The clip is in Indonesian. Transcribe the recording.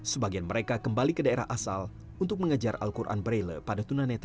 sebagian mereka kembali ke daerah asal untuk mengajar al quran braille pada tunanetra